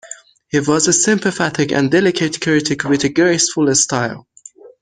He was a sympathetic and delicate critic, with a graceful style.